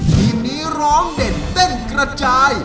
ทีมนี้ร้องเด็ดเต้นกระจาย